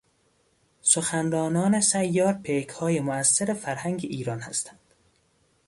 سخنرانان سیار پیکهای موثر فرهنگ ایران هستند.